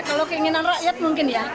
kalau keinginan rakyat mungkin ya